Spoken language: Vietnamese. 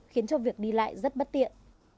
khiến cho việc đi lại rất bất tiện